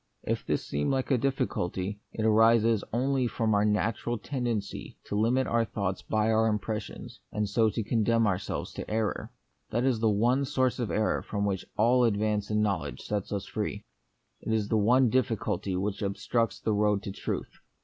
If this seem like a difficulty, it arises only from our natural tendency to limiO our thoughts by our impressions, and so to / condemn ourselves to error. That is the one source of error from which all advance in knowledge sets us free ; it is the one difficulty which obstructs the road to truth.